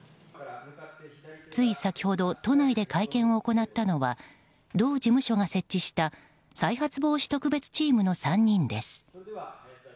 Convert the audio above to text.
つい先ほど都内で会見を行ったのは同事務所が設置した再発防止特別チームの３人です。